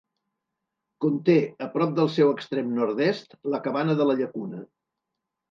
Conté, a prop del seu extrem nord-est, la Cabana de la Llacuna.